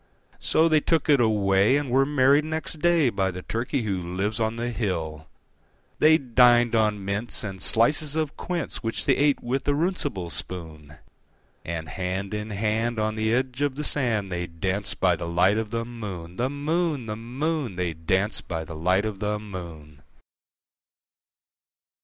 So they took it away, and were married next day By the Turkey who lives on the hill. They dined on mince and slices of quince, Which they ate with a runcible spoon; And hand in hand, on the edge of the sand, They danced by the light of the moon, The moon, The moon, They danced by the light of the moon.